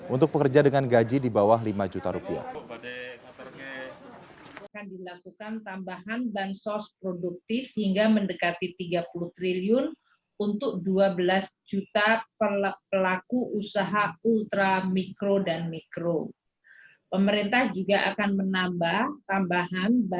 untuk pekerja dengan gaji di bawah lima juta rupiah